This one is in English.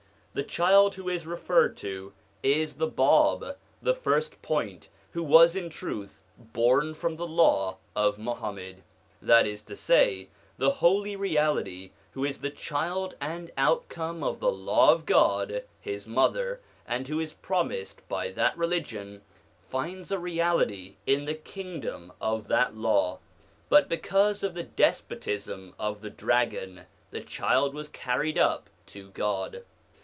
The child who is referred to is the Bab, the First Point, who was in truth born from the Law of Muhammad. That is to say, the Holy Reality, who is the child and outcome of the Law of God, his mother, and who is promised by that religion, finds a reality in the kingdom of that Law; but because of the despotism of the dragon the child was carried up to God.